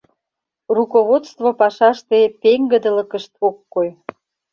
Руководство пашаште пеҥгыдылыкышт ок кой.